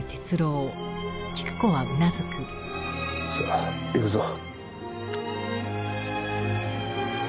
さあ行くぞ。